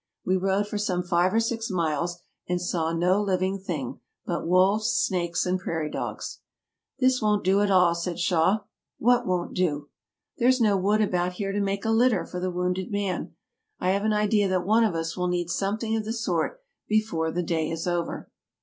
We rode for some five or six miles, and saw no living thing but wolves, snakes, and prairie dogs. " This won't do at all," said Shaw. "What won't do ?"" There's no wood about here to make a litter for the wounded man ; I have an idea that one of us will need some thing of the sort before the day is over.